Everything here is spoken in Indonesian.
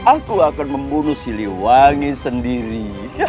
aku akan membunuh siliwangi sendiri